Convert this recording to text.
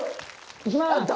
いきます！